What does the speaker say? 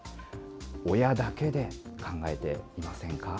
親だけで考えていませんか？